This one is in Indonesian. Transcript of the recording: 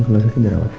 kalau sakit dirawat ya